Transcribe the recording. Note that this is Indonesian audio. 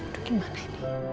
aduh gimana ini